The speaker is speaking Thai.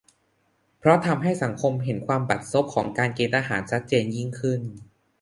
เพราะทำให้สังคมเห็นความบัดซบของการเกณฑ์ทหารชัดเจนยิ่งขึ้น